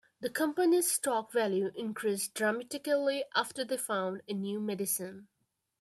The company's stock value increased dramatically after they found a new medicine.